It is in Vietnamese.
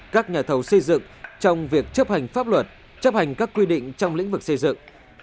các nhà thầu xây dựng trong việc chấp hành pháp luật chấp hành các quy định trong lĩnh vực xây dựng